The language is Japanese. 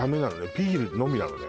ビールのみなのね